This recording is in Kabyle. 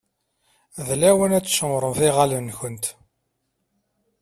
D lawan ad tcemmṛemt iɣallen-nkent.